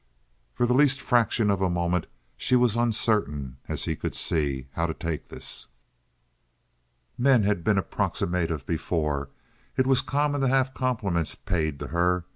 For the least fraction of a moment she was uncertain, as he could see, how to take this. Many men had been approximative before. It was common to have compliments paid to her.